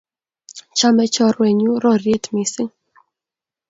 chame chorwenyu roriet mising